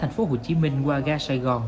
thành phố hồ chí minh qua ga sài gòn